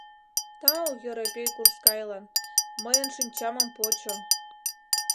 Тау Йӧрепей курскайлан, мыйын шинчамым почо.